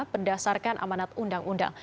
berdasarkan amanat undang undang